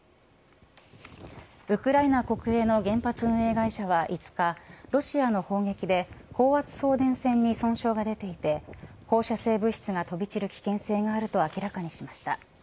ウクライナ国営の原発運営会社は５日ロシアの砲撃で高圧送電線に損傷が出ていて放射性物質が飛び散る危険性があると明らかにしました。